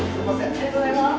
ありがとうございます。